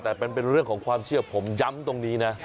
แต่เป็นเรื่องของความเชื่อผมย้ำตรงนี้นะ